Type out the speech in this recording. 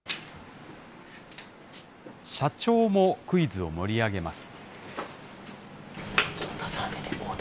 社長もクイズを盛り上げます。